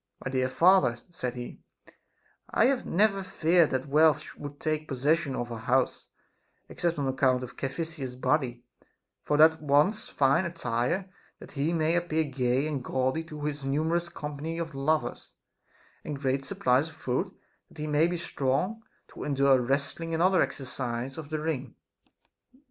My dear father, said he, I have never feared that wealth would take possession of our house, except on account of Caphi sias's body ; for that wants fine attire, that he may appear gay and gaudy to his numerous company of lovers, and great supplies of food, that he may be strong to endure wrestling and other exercises of the ring.